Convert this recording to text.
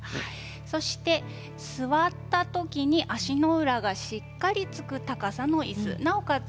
そして座った時に足の裏がしっかりつく高さのいすなおかつ